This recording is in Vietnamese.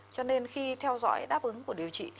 cho nên khi theo dõi đáp ứng của điều trị